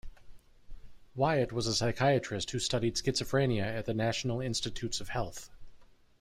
Wyatt was a psychiatrist who studied schizophrenia at the National Institutes of Health.